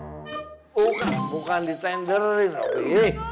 bukan bukan ditenderin robi